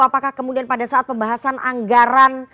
apakah kemudian pada saat pembahasan anggaran